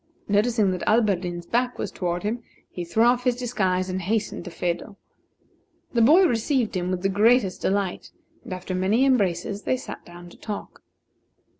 Noticing that Alberdin's back was toward him, he threw off his disguise and hastened to Phedo. The boy received him with the greatest delight, and, after many embraces, they sat down to talk.